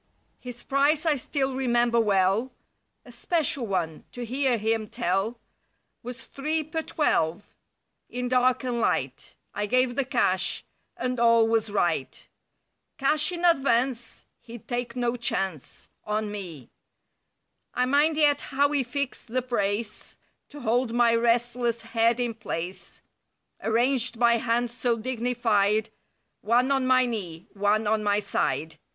His price I still remember well, (A "special" one, to hear him tell). Was three per twelve, in dark and light. I gave the cash and all was right. 107 "Cash in advance"— He'd take no chance— On me. I mind yet how he fixed the brace, To hold my restless head in place, Arranged by hands so dignified; One on my knee, one on my side.